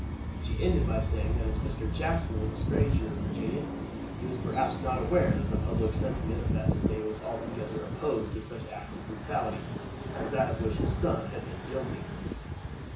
She ended by saying that as Mr. Jackson was a stranger in Virginia, he was perhaps not aware that the public sentiment of that State was altogether opposed to such acts of brutality as that of which his son had been guilty.